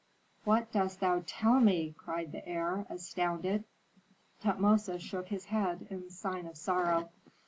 "What dost thou tell me!" cried the heir, astounded. Tutmosis shook his head in sign of sorrow.